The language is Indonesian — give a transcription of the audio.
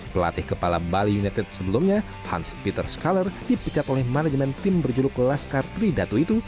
pelatih kepala bali united sebelumnya hans peter skaler dipecat oleh manajemen tim berjuluk laskar tridatu itu